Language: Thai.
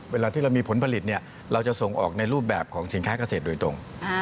เวลาที่เรามีผลผลิตเราจะส่งออกในรูปแบบของสินค้าเกษตรโดยตรง